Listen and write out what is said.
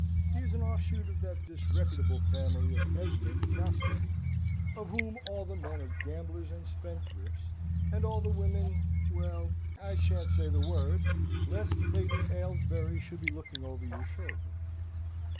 He is an offshoot of that disreputable family of Esmond, Castlewood, of whom all the men are gamblers and spendthrifts, and all the women well, I shan't say the word, lest Lady Ailesbury should be looking over your shoulder.